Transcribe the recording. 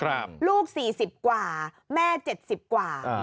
ลูก๔๐กว่าแม่๗๐กว่า